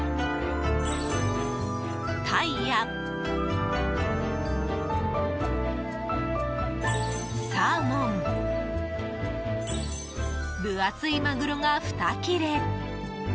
タイやサーモン分厚いマグロが２切れ。